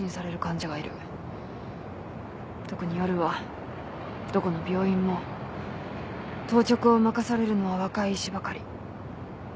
特に夜はどこの病院も当直を任されるのは若い医師ばかり。